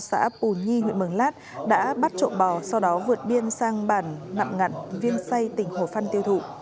xã pù nhi huyện mường lát đã bắt trộm bò sau đó vượt biên sang bàn nặm ngặn viên xây tỉnh hồ văn tiêu thụ